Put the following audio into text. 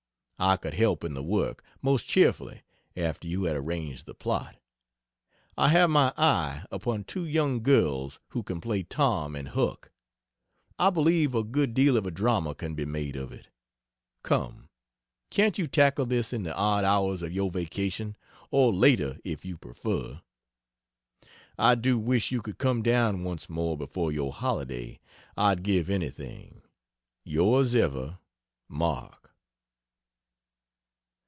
I could help in the work, most cheerfully, after you had arranged the plot. I have my eye upon two young girls who can play "Tom" and "Huck." I believe a good deal of a drama can be made of it. Come can't you tackle this in the odd hours of your vacation? or later, if you prefer? I do wish you could come down once more before your holiday. I'd give anything! Yrs ever, MARK.